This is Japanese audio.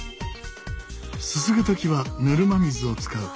すすぐ時はぬるま水を使う。